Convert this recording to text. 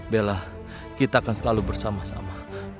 bela kita akan selalu bersama sama